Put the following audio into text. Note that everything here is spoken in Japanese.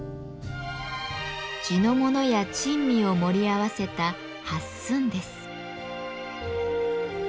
地のものや珍味を盛り合わせた「八寸」です。